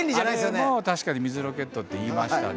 あれも確かに水ロケットといいましたね。